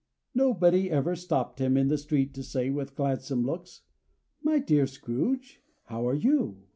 Nobody ever stopped him in the street to say, with gladsome looks, "My dear Scrooge, how are you?